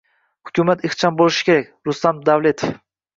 Hukumat ixcham bo‘lishi kerak — Ruslanbek Davletov